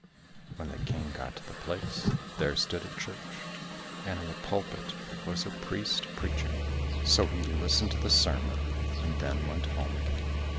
When the King got to the place, there stood a church, and in the pulpit was a priest preaching. So he listened to the sermon, and then went home again.